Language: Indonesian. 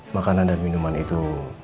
makanan dan minuman itu